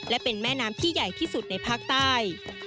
และเป็นแม่น้ำที่ใหญ่ที่สุดในภาคใต้